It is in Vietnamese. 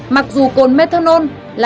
mặc dù cồn methanol là